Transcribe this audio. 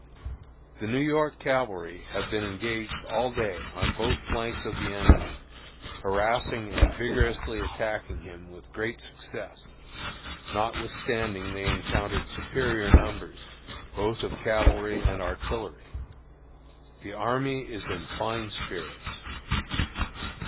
The New York cavalry have been engaged all day on both flanks of the enemy, harassing and vigorously attacking him with great success, notwithstanding they encountered superior numbers, both of cavalry and artillery. The army is in fine spirits.